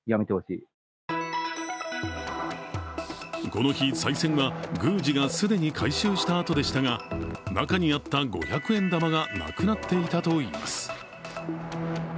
この日、さい銭は宮司が既に回収したあとでしたが、中にあった五百円玉がなくなっていたといいます。